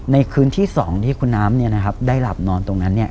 ในคืนที่๒ที่คุณน้ำเนี่ยได้หลับนอนตรงนั้นเนี่ย